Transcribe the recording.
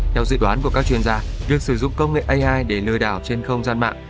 theo dự đoán của các chuyên gia việc sử dụng công nghệ ai để lừa đảo trên không gian mạng